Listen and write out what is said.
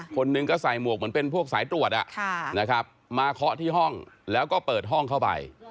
คนหนึ่งก็ใส่หมวกเหมือนเป็นพวกสายตรวจมาเคาะที่ห้องแล้วก็เปิดห้องเข้าไป